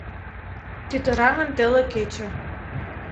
Тӱтыраҥын теле кече